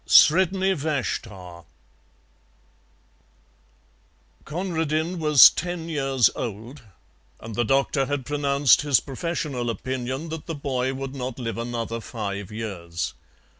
SREDNI VASHTAR Conradin was ten years old, and the doctor had pronounced his professional opinion that the boy would not live another five years.